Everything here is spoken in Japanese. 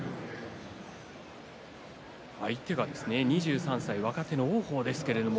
相手が２３歳若手の王鵬ですけれども。